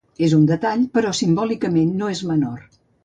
És un detall, però simbòlicament no és menor.